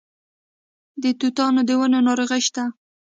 د توتانو د ونو ناروغي شته؟